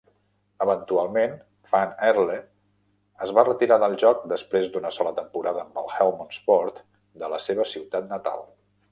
Eventualment, van Aerle es va retirar del joc després d'una sola temporada amb el Helmond Sport de la seva ciutat natal.